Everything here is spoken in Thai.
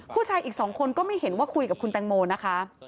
ผู้ชายอีก๒คนก็ไม่เห็นว่าคุยกับคุณแตงโมนะคะ